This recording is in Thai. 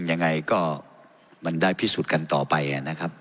ยังไงก็มันได้พิสูจน์กันต่อไปนะครับ